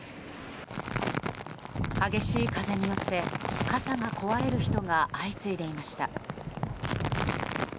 激しい風によって傘が壊れる人が相次いでいました。